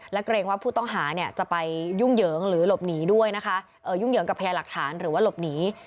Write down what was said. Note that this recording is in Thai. และเกรงว่าผู้ต้องหาเนี่ยจะไปยุ่งเหยิงหรือหลบหนีด้วยนะคะยุ่งเหยิงกับพยาหลักฐานหรือว่าหลบหนี